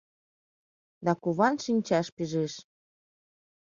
Да куван шинчаш пижеш